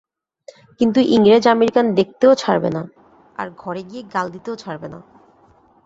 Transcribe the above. কিন্তু ইংরেজ আমেরিকান দেখতেও ছাড়বে না, আর ঘরে গিয়ে গাল দিতেও ছাড়বে না।